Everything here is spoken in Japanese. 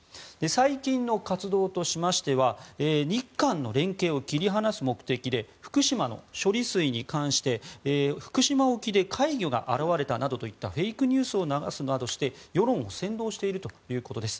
最近の活動としましては日韓の連携を切り離す目的で福島の処理水に関して福島沖で怪魚が現れたなどといったフェイクニュースを流すなどして世論を扇動しているということです。